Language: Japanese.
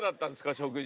食事。